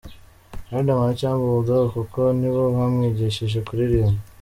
Riderman cyangwa Bull Dogg kuko nibo bamwigishije kuririmba.